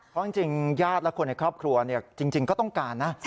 เพราะจริงญาติและคนในครอบครัวจริงก็ต้องการนะ